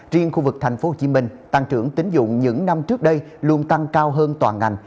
riêng khu vực tp hcm tăng trưởng tính dụng những năm trước đây luôn tăng cao hơn toàn ngành